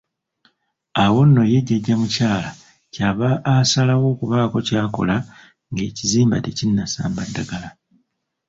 Awo nno ye jjajja mukyala ky'ava asalawo okubaako ky'akola ng'ekizimba tekinnasamba ddagala.